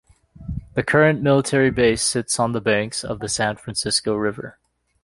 The current military base sits on the banks of the San Francisco River.